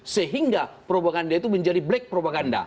sehingga propaganda itu menjadi black propaganda